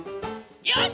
よし！